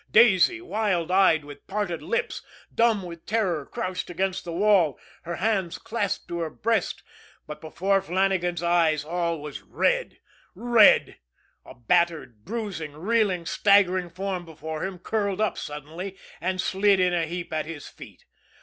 Daisy, wild eyed, with parted lips, dumb with terror, crouched against the wall, her hands clasped to her breast but before Flannagan's eyes all was red red. A battered, bruised, reeling, staggering form before him curled up suddenly and slid in a heap at his feet.